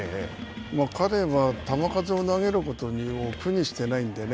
彼は、球数を投げることを苦にしていないんでね。